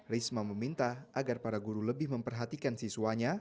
risma meminta agar para guru lebih memperhatikan siswanya